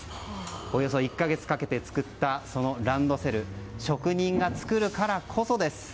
およそ１か月かけて作ったランドセル職人が作るからこそです。